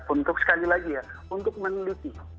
untuk sekali lagi ya untuk meneliti